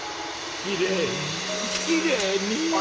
きれいにきれいに。